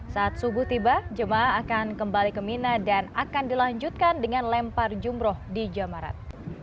saat subuh tiba jemaah akan kembali ke mina dan akan dilanjutkan dengan lempar jumroh di jamarat